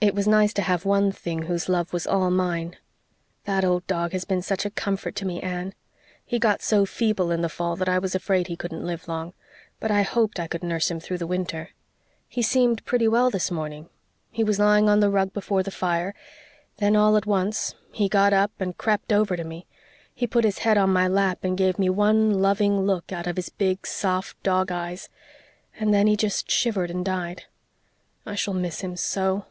It was nice to have one thing whose love was all mine. That old dog has been such a comfort to me, Anne. He got so feeble in the fall that I was afraid he couldn't live long but I hoped I could nurse him through the winter. He seemed pretty well this morning. He was lying on the rug before the fire; then, all at once, he got up and crept over to me; he put his head on my lap and gave me one loving look out of his big, soft, dog eyes and then he just shivered and died. I shall miss him so."